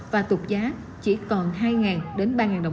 và tục giá chỉ còn hai đến ba đồng một kg